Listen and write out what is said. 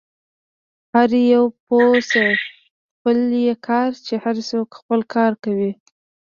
هر یو پوه شه، خپل يې کار، چې هر څوک خپل کار کوي.